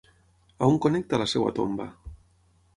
On connecta la seva tomba?